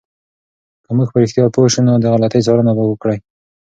که موږ په رښتیا پوه شو، نو د غلطي څارنه به وکړو.